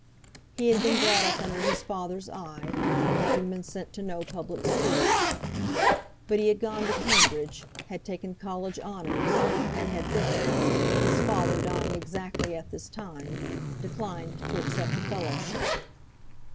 He had been brought up under his father's eye, having been sent to no public school. But he had gone to Cambridge, had taken college honours, and had then, his father dying exactly at this time, declined to accept a fellowship.